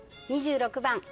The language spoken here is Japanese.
２６番。